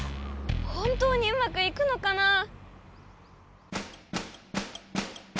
本当にうまくいくのかなあ。